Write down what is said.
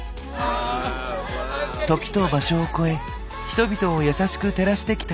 時と場所をこえ人々をやさしく照らしてきた花。